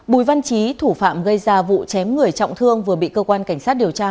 bùi văn trí thủ phạm gây ra vụ chém người trọng thương vừa bị cơ quan cảnh sát điều tra